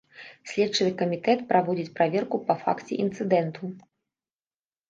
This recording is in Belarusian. Следчы камітэт праводзіць праверку па факце інцыдэнту.